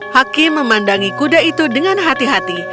hakim memandangi kuda itu dengan hati hati